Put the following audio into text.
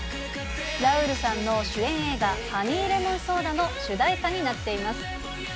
ラウールさんの主演映画、ハニーレモンソーダの主題歌になっています。